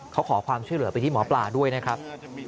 เขาขอความช่วยเหลือไปที่หมอปลาด้วยนะครับ